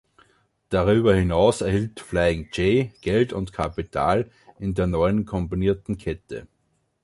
Darüber hinaus erhielt Flying J Geld und Kapital in der neuen kombinierten Kette.